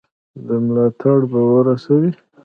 ملاتړ به ورسره وي.